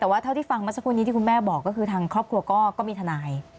แต่ว่าเท่าที่ฟังเมื่อสักครู่นี้ที่คุณแม่บอกก็คือทางครอบครัวก็มีทนาย